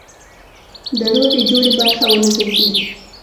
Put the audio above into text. د روغې جوړې برخه ونه ګرځي.